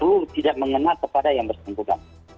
jumlah sepuluh tidak mengenal kepada yang bersemangat